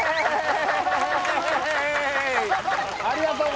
ありがとう！